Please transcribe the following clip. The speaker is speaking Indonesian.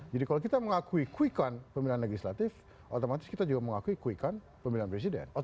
jadi kalau kita mengakui quick count pemilihan legislatif otomatis kita juga mengakui quick count pemilihan presiden